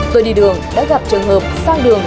tôi đi đường đã gặp trường hợp sang đường